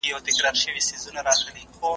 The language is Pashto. زه اوږده وخت د سبا لپاره د هنرونو تمرين کوم!.